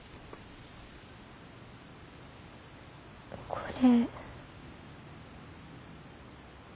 これ。